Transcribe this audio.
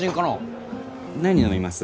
何飲みます？